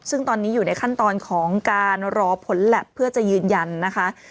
ซึ่งตอนนี้อยู่ในขั้นตอนของการรอผลแล็บเพื่อจะยืนยันนะคะ